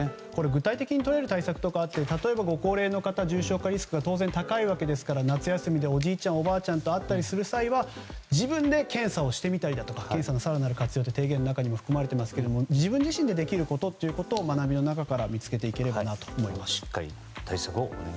具体的にどういう対策をというとご高齢の方は重症化リスクが当然高いわけですから、夏休みでおじいちゃん、おばあちゃんと会ったりする際には自分で検査をしてみたり検査の更なる活用と提言の中に含まれていますが自分自身でできることを学びの中から見つけていければなと思います。